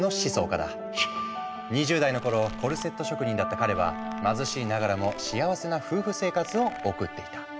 ２０代の頃コルセット職人だった彼は貧しいながらも幸せな夫婦生活を送っていた。